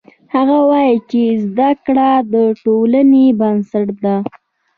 هغه وایي چې زده کړه د ټولنې بنسټ ده